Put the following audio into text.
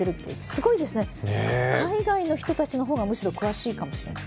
すごいですね、海外の人たちの方がむしろ詳しいかもしれない。